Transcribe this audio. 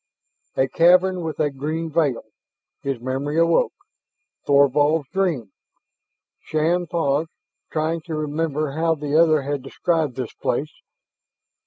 A cavern with a green veil his memory awoke. Thorvald's dream! Shann paused, trying to remember how the other had described this place.